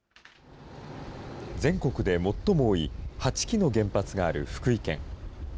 全国で最も多い、８基の原発がある福井県。